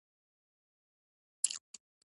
کمپیوټر ته یې وکتل.